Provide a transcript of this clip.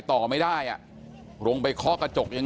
ตำรวจต้องไล่ตามกว่าจะรองรับเหตุได้